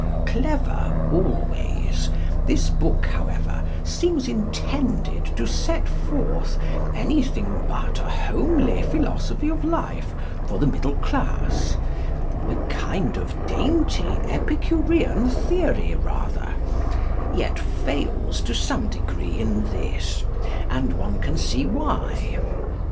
Clever always, this book, however, seems intended to set forth anything but a homely philosophy of life for the middle class a kind of dainty Epicurean theory, rather yet fails, to some degree in this; and one can see why.